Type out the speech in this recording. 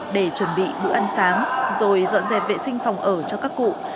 để chuẩn bị bữa ăn sáng rồi dọn dẹp vệ sinh phòng ở cho các cụ